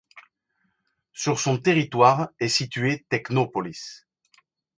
Sur son territoire est situé Tecnópolis.